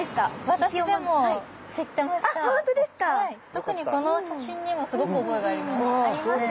特にこの写真にもすごく覚えがあります。